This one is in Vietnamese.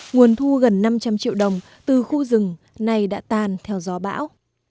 nguồn thu gần năm trăm linh triệu đồng từ khu rừng nay đã tan theo gió bão